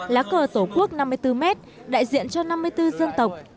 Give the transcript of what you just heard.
lá cờ tổ quốc năm mươi bốn mét đại diện cho năm mươi bốn dân tộc